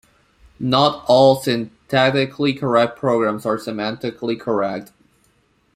Not all syntactically correct programs are semantically correct.